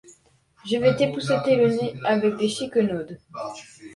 Je vais t’épousseter le nez avec des chiquenaudes.